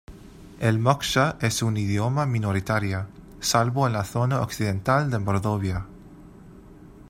El moksha es un idioma minoritaria, salvo en la zona occidental de Mordovia.